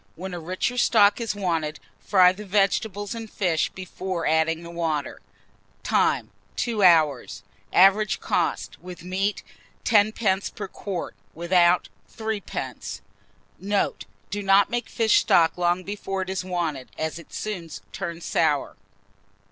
When a richer stock is wanted, fry the vegetables and fish before adding the water. Time. 2 hours. Average cost, with meat, 10d. per quart; without, 3d. Note. Do not make fish stock long before it is wanted, as it soon turns sour.